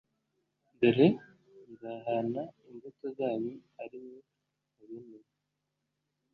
Dore nzahana imbuto zanyu ari mwe mubinteye